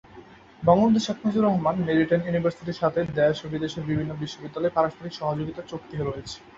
Bangabandhu Sheikh Mujibur Rahman maritime ইউনিভার্সিটির সাথে দেশ ও বিদেশের বিভিন্ন বিশ্ববিদ্যালয়ের পারস্পরিক সহযোগিতার চুক্তি রয়েছে।